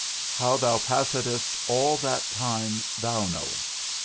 How thou passedst all that time thou knowest.